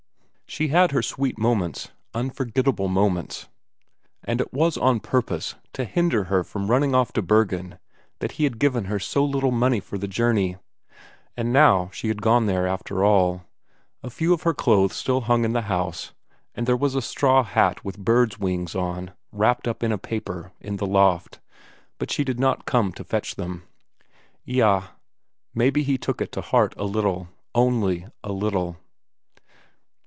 She had her sweet moments, unforgettable moments, and it was on purpose to hinder her from running off to Bergen that he had given her so little money for the journey. And now she had gone there after all. A few of her clothes still hung in the house, and there was a straw hat with birds' wings on, wrapped up in a paper, in the loft, but she did not come to fetch them. Eyah, maybe he took it to heart a little, only a little.